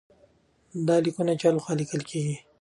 دا لیکونه د چا لخوا لیکل کیږي؟